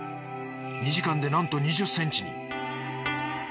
２時間でなんと２０センチに。